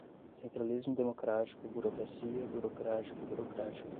Centralismo democrático, burocracia, burocrático, burocrática